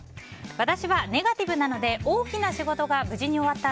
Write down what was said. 私はネガティブなので大きな仕事が無事に終わった